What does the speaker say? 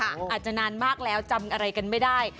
อาจจะนานมากแล้วจำอะไรกันไม่ได้